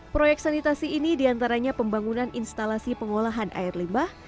proyek sanitasi ini diantaranya pembangunan instalasi pengolahan air limbah